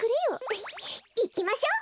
いきましょう。